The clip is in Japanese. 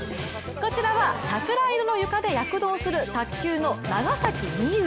こちらは桜色の床で躍動する卓球の長崎美柚。